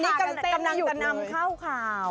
มาอันนี้กำลังจะนำข้าวข่าว